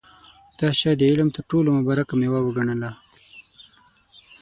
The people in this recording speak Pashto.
دا شی د علم تر ټولو مبارکه مېوه وګڼله.